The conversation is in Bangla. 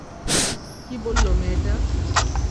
কী বললো মেয়েটা?